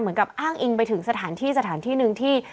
เหมือนกับอ้างอิงไปถึงสถานที่สถานที่หนึ่งที่